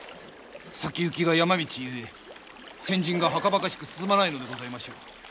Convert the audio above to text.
先行きが山道ゆえ先陣がはかばかしく進まないのでございましょう。